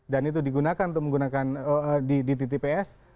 dan itu digunakan untuk menggunakan di tps